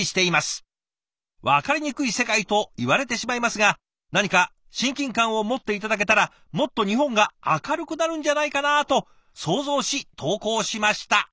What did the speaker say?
わかりにくい世界といわれてしまいますがなにか親近感を持って頂けたらもっと日本が明るくなるんじゃないかなと想像し投稿しました」。